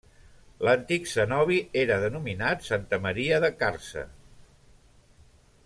L'antic cenobi era denominat Santa Maria de Càrcer.